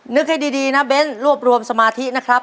ให้ดีนะเบ้นรวบรวมสมาธินะครับ